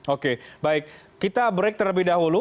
oke baik kita break terlebih dahulu